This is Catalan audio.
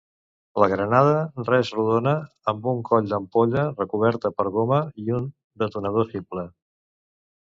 La granada res rodona, amb un coll d'ampolla recoberta per goma i un detonador simple.